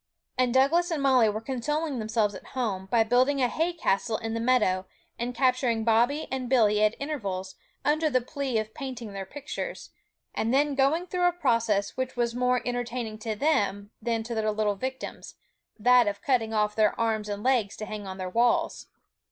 And Douglas and Molly were consoling themselves at home, by building a hay castle in the meadow, and capturing Bobby and Billy at intervals, under the plea of painting their pictures; and then going through a process which was more entertaining to them than to their little victims that of cutting off their arms and legs to hang on their walls.